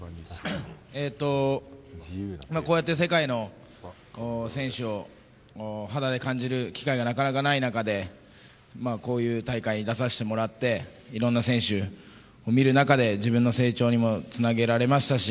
こうやって世界の選手を肌で感じる機会がなかなかないなかでこういう大会に出させてもらっていろんな選手を見る中で自分の成長にもつなげられましたし